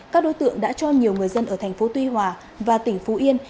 các đối tượng đã cho nhiều người dân ở thành phố tuy hòa và tỉnh phú yên